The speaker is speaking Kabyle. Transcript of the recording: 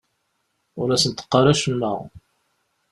Ur asent-qqar acemma.